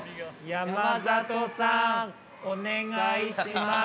山里さん、お願いします。